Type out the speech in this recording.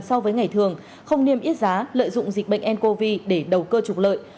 so với ngày thường không niêm yết giá lợi dụng dịch bệnh ncov để đầu cơ trục lợi